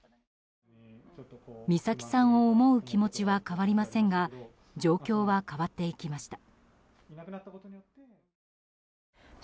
美咲さんを思う気持ちは変わりませんが状況は変わっていきました。